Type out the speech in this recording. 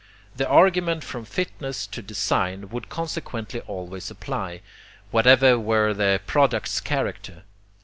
The argument from fitness to design would consequently always apply, whatever were the product's character.